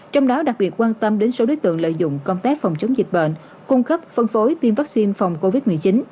trong đó đặc biệt quan tâm đến số đối tượng lợi dụng công tác phòng chống dịch bệnh cung cấp phân phối tiêm vaccine phòng covid một mươi chín